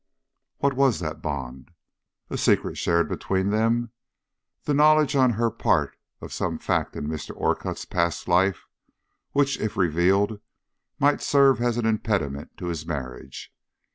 What was that bond? A secret shared between them? The knowledge on her part of some fact in Mr. Orcutt's past life, which, if revealed, might serve as an impediment to his marriage?